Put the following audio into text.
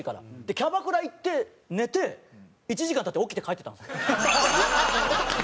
キャバクラ行って寝て１時間経って起きて帰っていったんですよ。